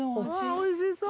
おいしそう！